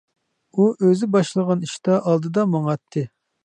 ئۇ ئۆزى باشلىغان ئىشتا ئالدىدا ماڭاتتى.